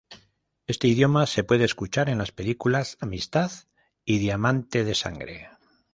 Este idioma se puede escuchar en las películas "Amistad" y "Diamante de sangre".